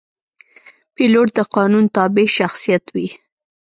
پیلوټ د قانون تابع شخصیت وي.